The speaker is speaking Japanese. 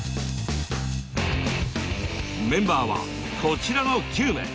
メンバーはこちらの９名。